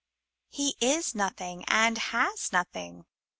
He is nothing and has nothing.